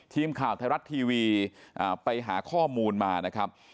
ทีมข่าวไทยรัฐทีวีไปหาข้อมูลมานะครับ